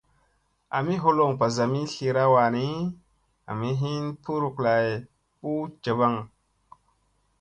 Ami holoŋ mbazami slira wani, ami hin puuryŋ lay, puu njavaŋ.